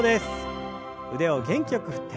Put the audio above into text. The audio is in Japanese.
腕を元気よく振って。